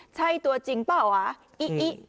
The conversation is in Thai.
ใช่ตัวจริงเปล่าวะอิอิ